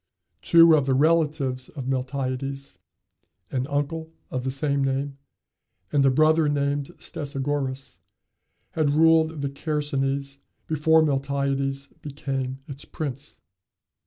Two of the relatives of Miltiades an uncle of the same name, and a brother named Stesagoras had ruled the Chersonese before Miltiades became its prince.